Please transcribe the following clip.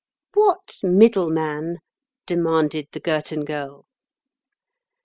"What middleman?" demanded the Girton Girl.